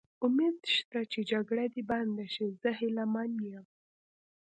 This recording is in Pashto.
امید شته چې جګړه دې بنده شي، زه هیله من یم.